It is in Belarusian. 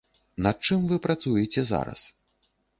Над чым вы працуеце зараз?